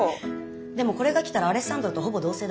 でもこれが来たらアレッサンドロとほぼ同棲だよ？